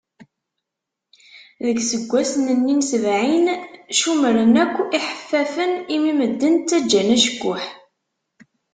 Deg iseggasen-nni n sebɛin ccumren akk iḥeffafen imi medden ttaǧǧan acekkuḥ.